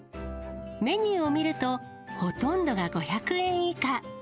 メニューを見ると、ほとんどが５００円以下。